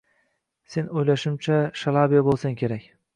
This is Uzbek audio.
Sen, o`ylashimcha, Shalabiya bo`lsang kerak